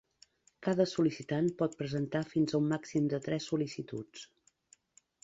Cada sol·licitant pot presentar fins a un màxim de tres sol·licituds.